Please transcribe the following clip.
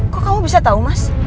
kok kamu bisa tahu mas